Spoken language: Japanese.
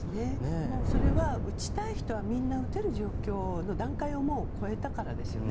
それは、打ちたい人はみんな打てるという段階をもう超えたからですよね。